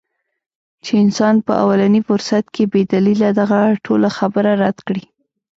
چې انسان پۀ اولني فرصت کښې بې دليله دغه ټوله خبره رد کړي -